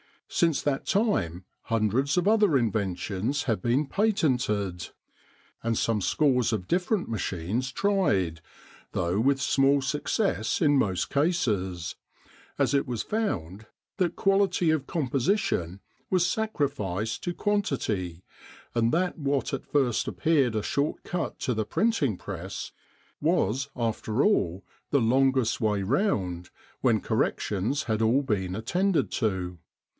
Since that time hundreds of other inventions have been patented, and some scores of different machines tried, though with small success in most cases; as it was found that quality of composition was sacrificed to quantity, and that what at first appeared a short cut to the printing press was after all the longest way round, when corrections had all been attended to.